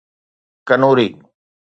Kanoori